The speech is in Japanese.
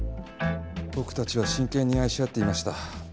僕たちは真剣に愛し合っていました。